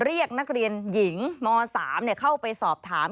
เรียกนักเรียนหญิงม๓เข้าไปสอบถาม